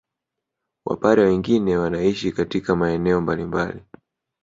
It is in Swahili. Wapare wengine wanaishi katika maeneo mbalimbali